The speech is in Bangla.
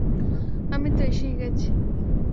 আমি তো এসেই গেছি।